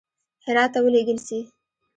هرات ته ولېږل سي.